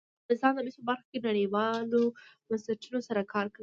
افغانستان د مس په برخه کې نړیوالو بنسټونو سره کار کوي.